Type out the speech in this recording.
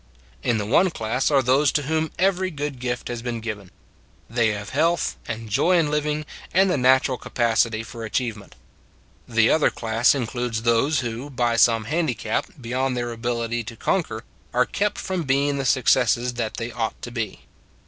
In the one class are those to whom every good gift has been given. They have health, and joy in living and the natural capacity for achievement. The other class includes those who, by some handicap beyond their ability to con quer, are kept from being the successes that they ought to be.